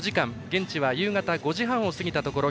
現地は夕方５時半を過ぎたところ。